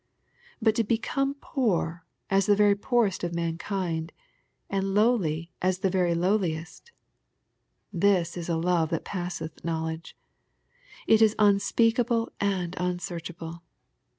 But to become poor as the very poorest of mankind, and lowly as the very lowliest^ — this is a love that passeth knowledge. It is unspeakable and unsearchable.